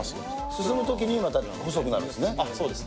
進むときにまた細くなるんでそうです。